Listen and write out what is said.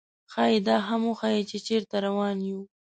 ښايي دا هم وښيي، چې چېرته روان یو.